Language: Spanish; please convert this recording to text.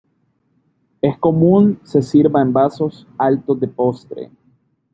Es común se sirva en vasos altos de postre.